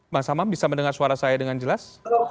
mas hamam bisa mendengar suara saya dengan jelas